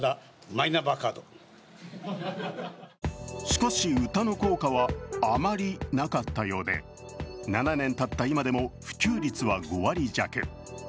しかし、歌の効果はあまり、なかったようで、７年たった今でも普及率は５割弱。